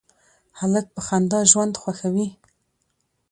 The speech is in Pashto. هلک په خندا ژوند خوښوي.